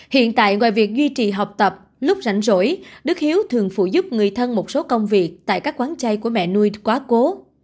hiện tại ngoài việc duy trì học tập lúc rảnh rỗi đức hiếu thường phụ giúp người thân một số công việc tại các quán chay của mẹ nuôi quá cố